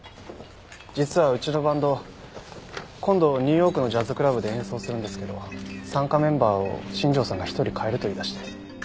実はうちのバンド今度ニューヨークのジャズクラブで演奏するんですけど参加メンバーを新庄さんが１人代えると言い出して。